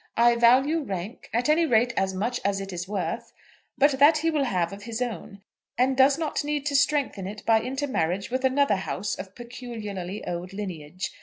I value rank, at any rate, as much as it is worth; but that he will have of his own, and does not need to strengthen it by intermarriage with another house of peculiarly old lineage.